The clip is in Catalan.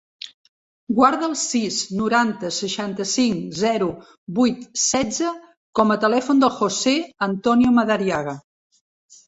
Guarda el sis, noranta, seixanta-cinc, zero, vuit, setze com a telèfon del José antonio Madariaga.